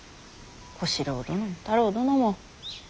小四郎殿も太郎殿も。